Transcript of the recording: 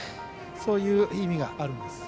そういう意味があるんです。